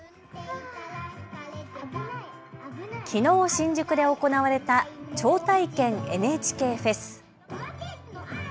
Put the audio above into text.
きのう新宿で行われた超体験ＮＨＫフェス。